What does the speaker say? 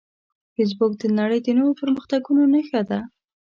فېسبوک د نړۍ د نوو پرمختګونو نښه ده